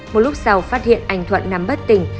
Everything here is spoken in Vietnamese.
một lúc sau phát hiện anh thuận nằm bất tỉnh